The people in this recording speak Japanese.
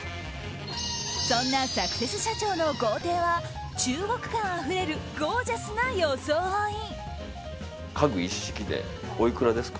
そんなサクセス社長の豪邸は中国感あふれるゴージャスな装い。